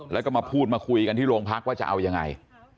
แล้วก็มาพูดมาคุยกันที่โรงพักว่าจะเอายังไง